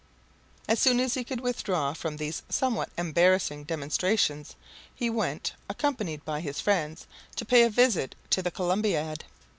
As soon as he could withdraw from these somewhat embarrassing demonstrations, he went, accompanied by his friends, to pay a visit to the Columbiad.